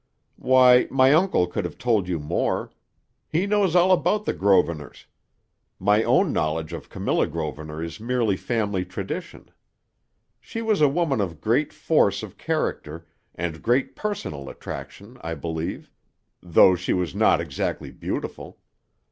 "Why, my uncle could have told you more. He knows all about the Grosvenors. My own knowledge of Camilla Grosvenor is merely family tradition. She was a woman of great force of character, and great personal attraction, I believe, though she was not exactly beautiful.